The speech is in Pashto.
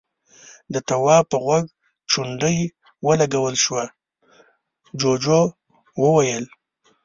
د تواب په غوږ چونډۍ ولګول شوه، جُوجُو وويل: